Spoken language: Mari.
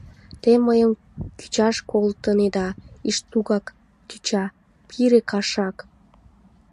Те мыйым кӱчаш колтынеда, иштуган тӱча, пире кашак!